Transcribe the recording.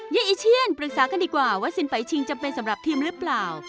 อีเชียนปรึกษากันดีกว่าว่าสินไปชิงจำเป็นสำหรับทีมหรือเปล่า